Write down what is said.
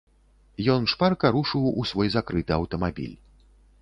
Ён шпарка рушыў у свой закрыты аўтамабіль.